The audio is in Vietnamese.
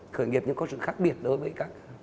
khởi nghiệp những câu chuyện khác biệt đối với các